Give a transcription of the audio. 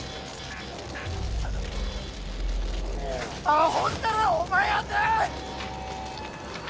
あほんだらはお前やて！